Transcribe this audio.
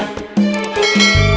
tuh liat si sulap